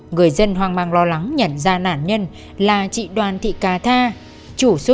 người dân hoang mang lo lắng nhảy ra nạn nhân là chị đoàn thị cà tha chủ số